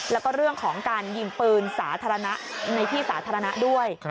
แล้วก็เรื่องของการยิงปืนสาธารณะในที่สาธารณะด้วย